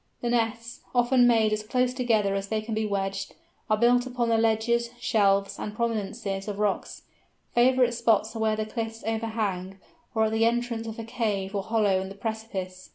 The nests, often made as close together as they can be wedged, are built upon the ledges, shelves, and prominences of the rocks. Favourite spots are where the cliffs overhang, or at the entrance of a cave or hollow in the precipice.